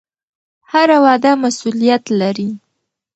هره وعده مسوولیت لري